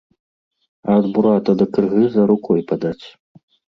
А ад бурата да кыргыза рукой падаць.